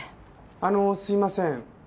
あのすいません。